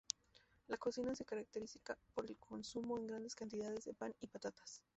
La cocina se caracteriza por el consumo en grandes cantidades de pan y patatas.